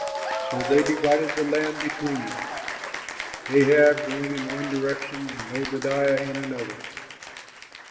So they divided the land between them, Ahab going in one direction and Obadiah in another.